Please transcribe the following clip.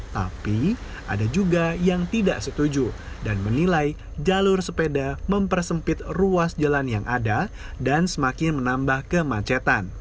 tapi ada juga yang tidak setuju dan menilai jalur sepeda mempersempit ruas jalan yang ada dan semakin menambah kemacetan